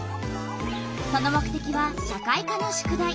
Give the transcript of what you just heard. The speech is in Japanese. その目てきは社会科の宿題。